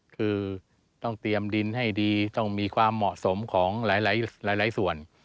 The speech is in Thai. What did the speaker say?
คือต้องเตรียมดินให้ดีต้องมีความเหมาะสมของหลายส่วน